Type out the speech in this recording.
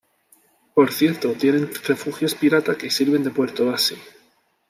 Por cierto, tienen refugios pirata que sirven de puerto base.